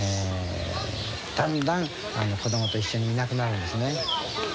だんだん子供と一緒にいなくなるんですね。